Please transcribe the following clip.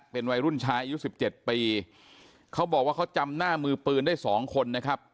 เป็นวัยรุ่นชายอายุสิบเจ็ดปีเขาบอกว่าเขาจำหน้ามือปืนได้สองคนนะครับ